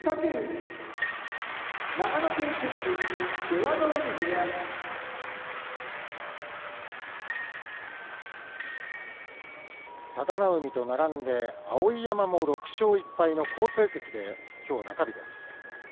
出羽海部屋佐田の海と並んで碧山も６勝１敗の好成績できょう中日です。